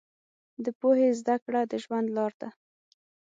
د پوهې زده کړه د ژوند لار ده.